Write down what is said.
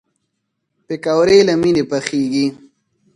پکورې له مینې پخېږي